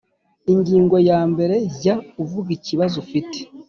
Ingingo ya mbere Jya uvuga ikibazo ufite